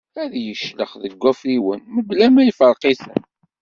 Ad t-iclex seg wafriwen mebla ma iferq-iten.